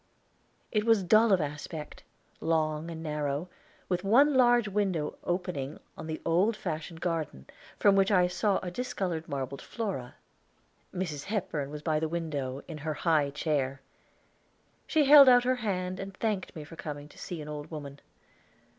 It was dull of aspect, long and narrow, with one large window opening on the old fashioned garden, and from which I saw a discolored marble Flora. Mrs. Hepburn was by the window, in her high chair. She held out her hand and thanked me for coming to see an old woman.